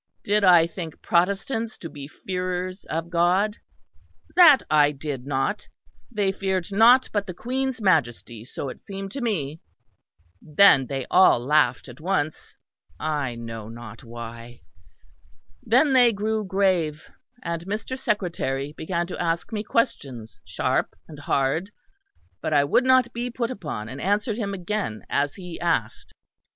Did I think Protestants to be fearers of God? That I did not; they feared nought but the Queen's Majesty, so it seemed to me. Then they all laughed at once I know not why. Then they grew grave; and Mr. Secretary began to ask me questions, sharp and hard; but I would not be put upon, and answered him again as he asked.